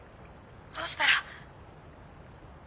どうしたら。